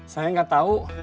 saya gak tau